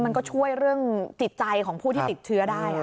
มันก็ช่วยเรื่องจิตใจของผู้ที่ติดเชื้อได้